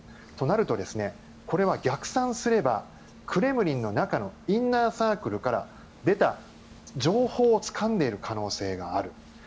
となると、これは逆算すればクレムリンの中のインナーサークルから出た情報をつかんでいる可能性がある。